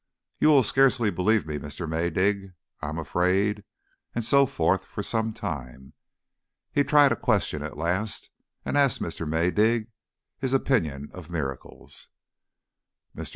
"You will scarcely believe me, Mr. Maydig, I am afraid" and so forth for some time. He tried a question at last, and asked Mr. Maydig his opinion of miracles. Mr.